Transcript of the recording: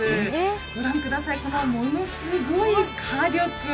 御覧ください、このものすごい火力。